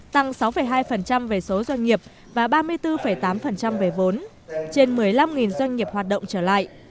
tăng sáu hai về số doanh nghiệp và ba mươi bốn tám về vốn trên một mươi năm doanh nghiệp hoạt động trở lại